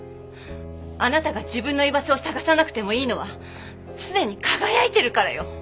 あなたが自分の居場所を探さなくてもいいのはすでに輝いてるからよ。